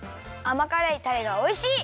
あまからいタレがおいしい！